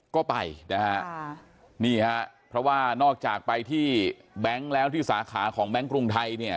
ก็ไปนะฮะนี่ฮะเพราะว่านอกจากไปที่แบงค์แล้วที่สาขาของแบงค์กรุงไทยเนี่ย